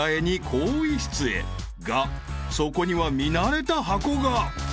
［がそこには見慣れた箱が］